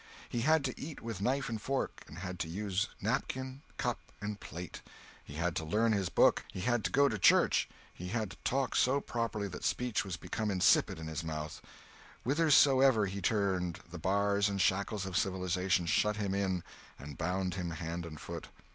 He had to eat with a knife and fork; he had to use napkin, cup, and plate; he had to learn his book, he had to go to church; he had to talk so properly that speech was become insipid in his mouth; whithersoever he turned, the bars and shackles of civilization shut him in and bound him hand and foot.